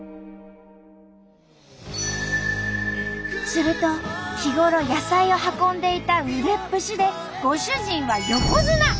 すると日頃野菜を運んでいた腕っぷしでご主人は横綱！